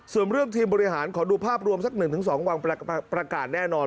ส่วนเรื่องทีมบริหารขอดูภาพรวมสัก๑๒วันประกาศแน่นอน